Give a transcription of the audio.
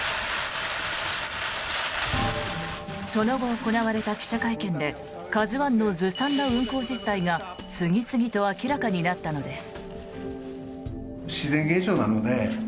その後、行われた記者会見で「ＫＡＺＵ１」のずさんな運航実態が次々と明らかになったのです。